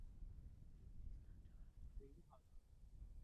从源头就出了问题